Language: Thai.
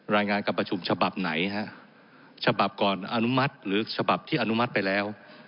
รายงานกับประชุมฉบับไหนฮะฉบับก่อนอนุมัติหรือฉบับที่อนุมัติไปแล้ว